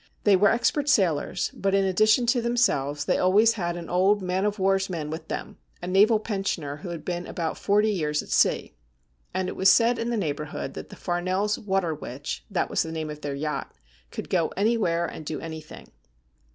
They were expert sailors, but in addition to themselves they always had an old man of war's man with them, a naval pensioner who had been about forty years at sea. And it was said in the neighbourhood that the Farnells' ' Water Witch '— that was the name of their yacht — could go anywhere and do anything.